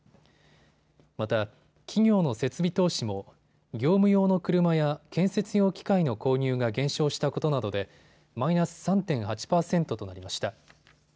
また、企業の設備投資も業務用の車や建設用機械の購入が減少したことなどでマイナス３．８％となりました。